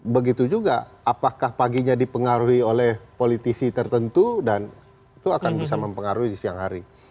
begitu juga apakah paginya dipengaruhi oleh politisi tertentu dan itu akan bisa mempengaruhi di siang hari